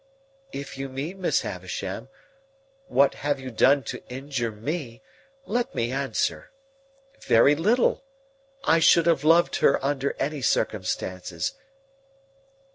"If you mean, Miss Havisham, what have you done to injure me, let me answer. Very little. I should have loved her under any circumstances.